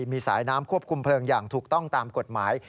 มีสายน้ำควบคุมเพลิงอย่างถูกต้องตามกฎหมาย